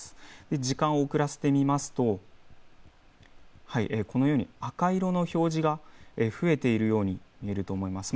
時間を送らせて見ますと赤色の表示が増えているように見えると思います。